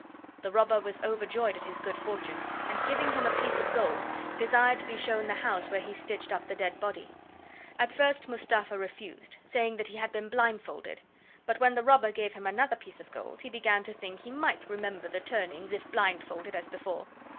The robber was overjoyed at his good fortune, and, giving him a piece of gold, desired to be shown the house where he stitched up the dead body. At first Mustapha refused, saying that he had been blindfolded; but when the robber gave him another piece of gold he began to think he might remember the turnings if blindfolded as before.